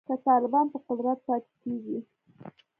که طالبان په قدرت پاتې کیږي